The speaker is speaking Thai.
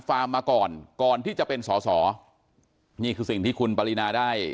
ฟาร์มมาก่อนก่อนที่จะเป็นสอสอนี่คือสิ่งที่คุณปรินาได้